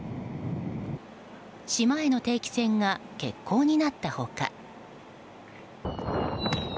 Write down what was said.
島への定期船が欠航になった他。